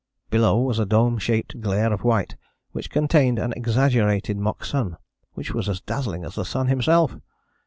Below was a dome shaped glare of white which contained an exaggerated mock sun, which was as dazzling as the sun himself.